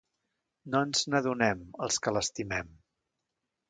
No ens n'adonem, els que l'estimem...